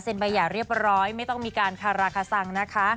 เซ็นบัญญาเรียบร้อยไม่ต้องมีการคาราคสังนะคะ